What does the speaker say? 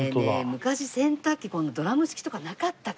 昔洗濯機このドラム式とかなかったから。